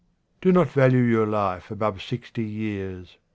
Do not value your life above sixty years.